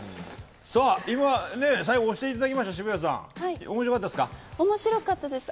今、最後押していただきました、渋谷さん面白かったですか。